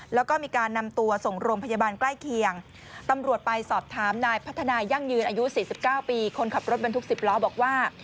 ชนท้ายรถบรรทุก๑๐ล้อบอกว่า